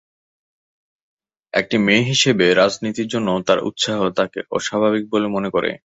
একটি মেয়ে হিসাবে রাজনীতির জন্য তার উত্সাহ তাকে "অস্বাভাবিক" বলে মনে করে।